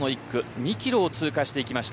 ２キロを通過していきました。